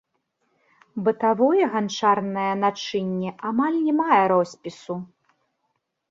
Бытавое ганчарнае начынне амаль не мае роспісу.